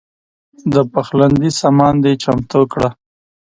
د پخلنځي سامان دې چمتو کړه.